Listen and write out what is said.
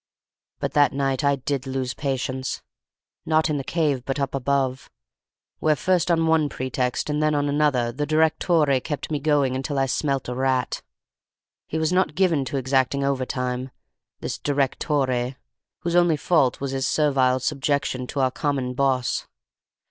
But that night I did lose patience: not in the cave, but up above, where first on one pretext and then on another the direttore kept me going until I smelt a rat. He was not given to exacting overtime, this direttore, whose only fault was his servile subjection to our common boss.